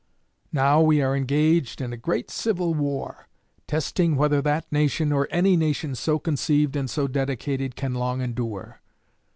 Now we are engaged in a great civil war, testing whether that nation, or any nation so conceived and so dedicated, can long endure.